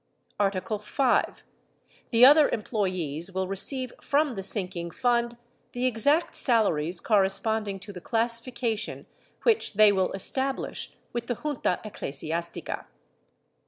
Art. V. The other employees will receive from the sinking fund the exact salaries corresponding to the classification which they will establish with the Junta eclesiastica.